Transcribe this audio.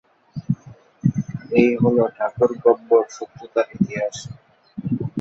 এই হলো ঠাকুর-গব্বর শত্রুতার ইতিহাস।